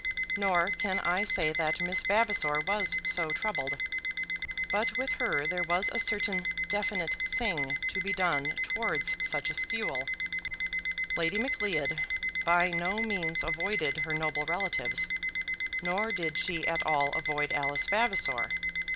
Nor can I say that Miss Vavasor was so troubled. But with her there was a certain definite thing to be done towards such eschewal. Lady Macleod by no means avoided her noble relatives, nor did she at all avoid Alice Vavasor.